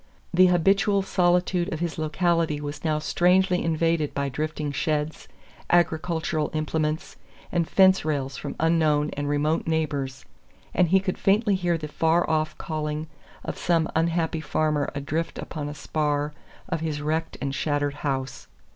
The habitual solitude of his locality was now strangely invaded by drifting sheds, agricultural implements, and fence rails from unknown and remote neighbors, and he could faintly hear the far off calling of some unhappy farmer adrift upon a spar of his wrecked and shattered house.